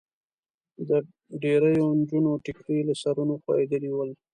د ډېریو نجونو ټیکري له سرونو خوېدلي ول.